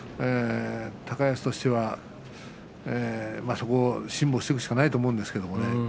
高安としては、そこを辛抱していくしかないと思うんですけどね。